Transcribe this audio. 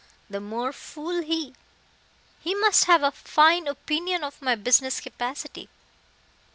The more fool he. He must have a fine opinion of my business capacity.